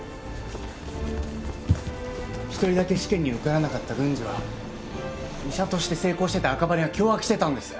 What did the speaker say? １人だけ試験に受からなかった郡司は医者として成功してた赤羽を脅迫してたんです。